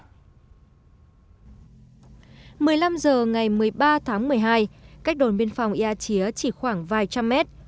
một mươi năm h ngày một mươi ba tháng một mươi hai cách đồn biên phòng yà chía chỉ khoảng vài trăm mét